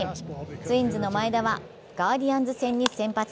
ツインズの前田はガーディアンズ戦に先発。